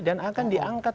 dan akan diangkat